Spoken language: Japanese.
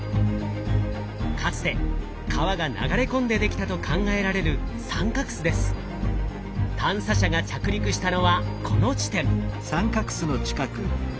かつて川が流れ込んでできたと考えられる探査車が着陸したのはこの地点。